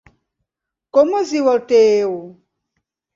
Com es diu el teu.?